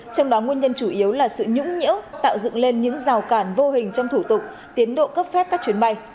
trong đó nguyên nhân chủ yếu là sự nhũng nhiễu tạo dựng lên những rào cản vô hình trong thủ tục tiến độ cấp phép các chuyến bay